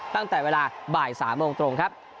ตั้งแต่เวลาบ่าย๓โมงตรงครับ